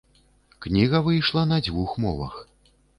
Кніга выйшла на дзвюх мовах.